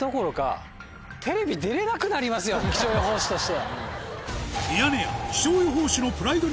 気象予報士として。